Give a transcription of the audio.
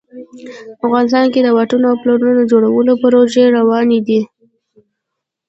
افغانستان کې د واټونو او پلونو د جوړولو پروژې روانې دي